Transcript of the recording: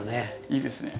いいですね。